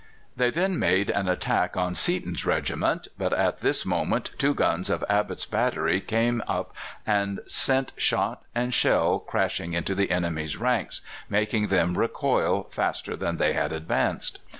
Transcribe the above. They then made an attack on Seaton's regiment, but at this moment two guns of Abbott's battery came up and sent shot and shell crashing into the enemy's ranks, making them recoil faster than they had advanced.